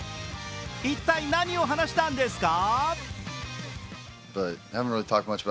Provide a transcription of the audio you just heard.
一体、何を話したんですか？